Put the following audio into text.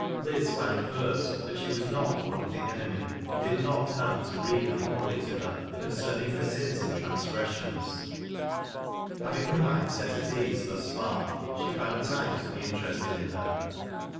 Liz found, first, that she was not one of the enemy, and did not come to read a homily to her concerning her sins and transgrcs Bions ; having her mind set at ease thus far, she found time to be interested in her.